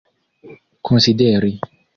konsideri